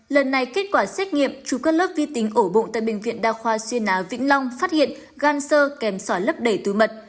lần này kết quả xét nghiệm chú cất lớp vi tính ổ bụng tại bệnh viện đa khoa xuyên á vĩnh long phát hiện gan sơ kèm sỏi lấp đầy túi mật